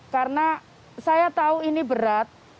karena saya tahu ini berat